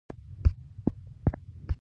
د دین تاریخ لکه موزاییک له رنګونو جوړ شوی دی.